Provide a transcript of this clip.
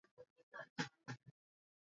Hatua za kufuata kupikia viazi lishe